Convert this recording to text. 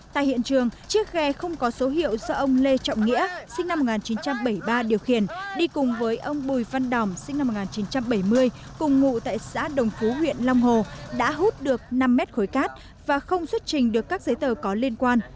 tại hiện trường chiếc ghe không có số hiệu do ông lê trọng nghĩa sinh năm một nghìn chín trăm bảy mươi ba điều khiển đi cùng với ông bùi văn đòm sinh năm một nghìn chín trăm bảy mươi cùng ngụ tại xã đồng phú huyện long hồ đã hút được năm mét khối cát và không xuất trình được các giấy tờ có liên quan